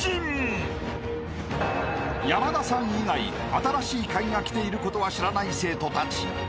［山田さん以外『新しいカギ』が来ていることは知らない生徒たち］